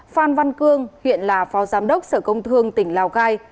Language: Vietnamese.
phan văn cương hiện là phó giám đốc sở công thương tỉnh lào cai